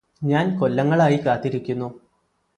ഞാന് കൊല്ലങ്ങളായി കാത്തിരിക്കുന്നു